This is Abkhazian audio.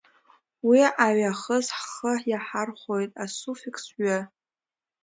Уи аҩахыс ҳхы иаҳархәоит асуффикс -ҩы…